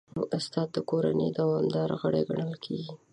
استاد د کورنۍ دوامدار غړی ګڼل کېږي.